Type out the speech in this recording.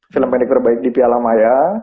film pendek terbaik di piala maya